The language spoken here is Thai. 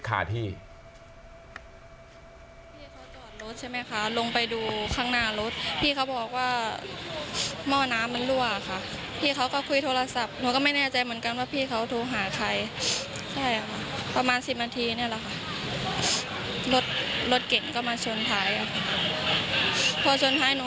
เขาถูกหาใครประมาณ๑๐นาทีรถเก่งก็มาชนท้ายชนท้ายหนู